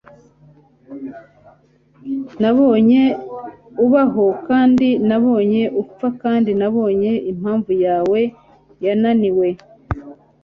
Nabonye ubaho kandi nabonye upfa kandi nabonye impamvu yawe yananiwe